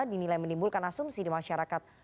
dinilai menimbulkan asumsi di masyarakat